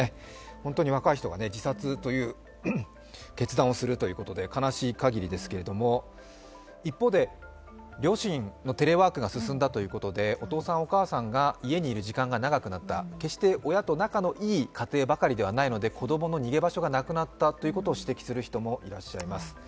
本当に若い人が自殺という決断をするということで悲しいかぎりですけれども、一方で両親のテレワークが進んだということでお父さんお母さんが家にいる時間が長くなった決して、親と仲のいい家庭ばかりではないので子供の逃げ場所がなくなったということを指摘する方もいらっしゃいます。